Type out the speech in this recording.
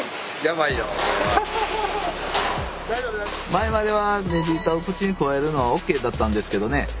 前まではネジ板を口にくわえるのはＯＫだったんですけどね